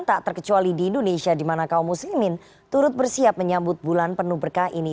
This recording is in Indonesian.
tak terkecuali di indonesia di mana kaum muslimin turut bersiap menyambut bulan penuh berkah ini